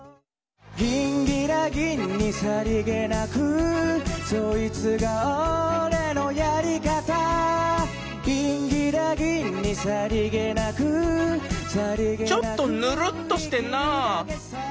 「ギンギラギンにさりげなく」「そいつが俺のやり方」「ギンギラギンにさりげなく」ちょっとヌルッとしてんなぁ。